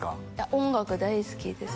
音楽は大好きです